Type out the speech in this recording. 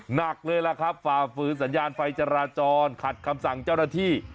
หนักเลยล่ะครับฝ่าฝืนสัญญาณไฟจราจรขัดคำสั่งเจ้าหน้าที่